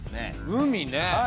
海ね。